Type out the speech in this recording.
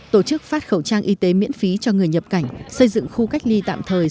tổ chức phát khẩu trang y tế miễn phí cho người nhập cảnh xây dựng khu cách ly tạm thời